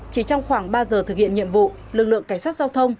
chỉ trong khoảng ba giờ thực hiện nhiệm vụ lực lượng cảnh sát giao thông